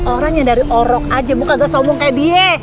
orangnya dari orok aja bu kagak sombong kayak dia